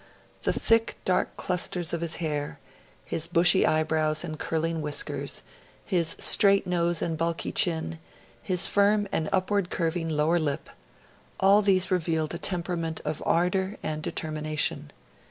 The thick, dark clusters of his hair, his bushy eyebrows and curling whiskers, his straight nose and bulky chin, his firm and upward curving lower lip all these revealed a temperament of ardour and determination.